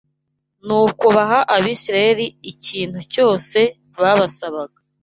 Nuko baha Abisirayeli ikintu cyose babasabaga